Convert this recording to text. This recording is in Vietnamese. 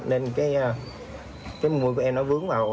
nên cái mũi của em nó vướng vào